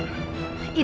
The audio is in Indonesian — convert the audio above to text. itu gak bener